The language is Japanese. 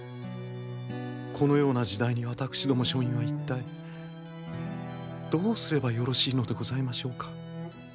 このような時代に私ども庶民は一体どうすればよろしいのでございましょうか。